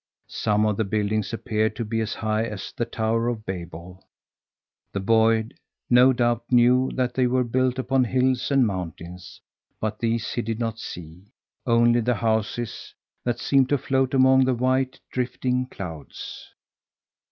Some of the buildings appeared to be as high as the Tower of Babel. The boy no doubt knew that they were built upon hills and mountains, but these he did not see only the houses that seemed to float among the white, drifting clouds.